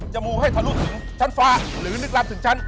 มูให้ทะลุถึงชั้นฟ้าหรือลึกลับถึงชั้น